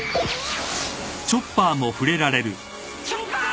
チョッパー！